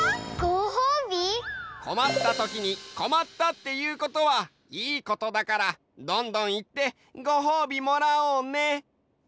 こまったときに「こまった」っていうことはいいことだからどんどんいってごほうびもらおうね！